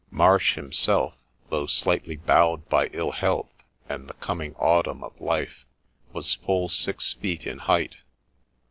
Marsh himself, though slightly bowed by ill health and the 4 coming autumn ' of life, was full six feet in height.